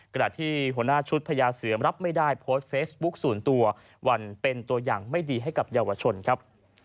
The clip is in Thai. ขณะที่หัวหน้าชุดพญาเสือมรับไม่ได้โพสต์เฟซบุ๊คส่วนตัววันเป็นตัวอย่างไม่ดีให้กับเยาวชนครับ